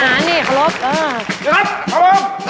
หาง